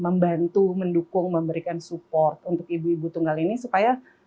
membantu mendukung memberikan support untuk ibu ibu tunggal ini supaya